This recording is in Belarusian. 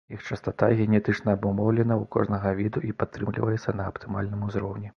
Іх частата генетычна абумоўлена ў кожнага віду і падтрымліваецца на аптымальным узроўні.